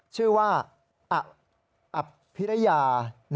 ชื่อว่าอภิรยา